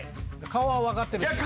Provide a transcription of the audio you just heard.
顔は分かってる？